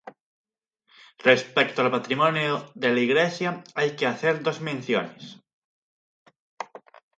Respecto al patrimonio de la iglesia, hay que hacer dos menciones.